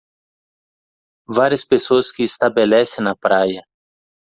Várias pessoas que estabelece na praia.